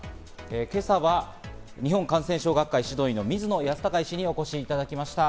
今朝は日本感染症学会・指導医の水野泰孝医師にお越しいただきました。